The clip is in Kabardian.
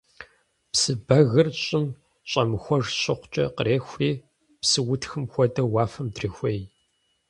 Псы бэгыр щӀым щӀэмыхуэж щыхъукӀэ, кърехури, псыутхым хуэдэу уафэм дрехуей.